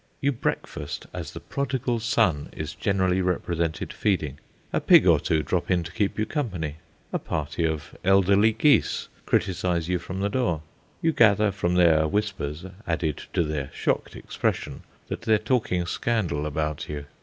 You breakfast as the Prodigal Son is generally represented feeding: a pig or two drop in to keep you company; a party of elderly geese criticise you from the door; you gather from their whispers, added to their shocked expression, that they are talking scandal about you.